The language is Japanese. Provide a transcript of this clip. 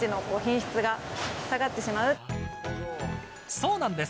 そうなんです。